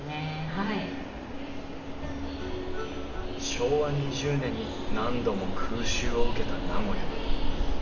昭和２０年に何度も空襲を受けた名古屋。